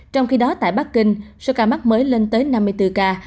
trong khi đó tại bắc kinh số ca mắc mới lên tới năm mươi bốn ca